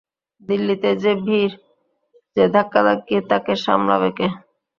দিল্লিতে যে ভিড় যে ধাক্কাধাক্কি, তাকে সামলাবে কে?